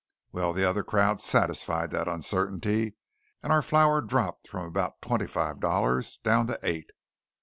Well, the other crowd satisfied that uncertainty, and our flour dropped from about twenty five dollars down to eight.